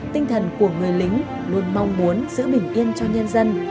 tinh thần của người lính luôn mong muốn giữ bình yên cho nhân dân